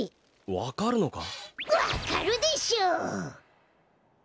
わかるでしょう！